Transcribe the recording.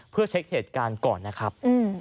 เพื่อเช็คเหตุการณ์ก่อนนะครับ